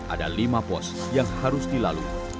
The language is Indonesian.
ada lima pos yang harus dilalui